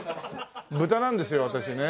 豚なんですよ私ね。